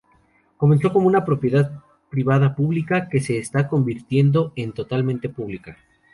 Comenzó como una propiedad privada-pública que se está convirtiendo en totalmente pública.